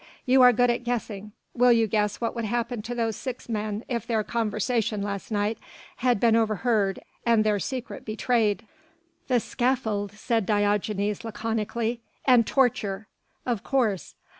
You are good at guessing will you guess what would happen to those six men if their conversation last night had been overheard and their secret betrayed." "The scaffold," said Diogenes laconically. "And torture." "Of course.